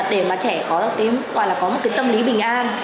để mà trẻ có cái quà là có một cái tâm lý bình an